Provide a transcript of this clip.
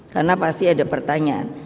karena pasti ada pertanyaan